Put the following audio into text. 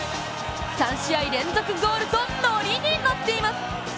３試合連続ゴールと乗りに乗っています。